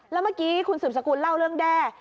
แล้วเมื่อกี้คุณสืบสกุลเล่าเรื่องแด้